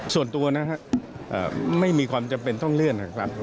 ส่วนตัวนะครับไม่มีความจำเป็นต้องเลื่อนนะครับ